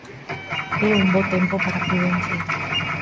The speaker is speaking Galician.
É un bo tempo para a prudencia.